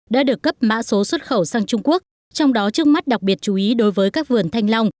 đã được cấp mã số xuất khẩu sang trung quốc trong đó trước mắt đặc biệt chú ý đối với các vườn thanh long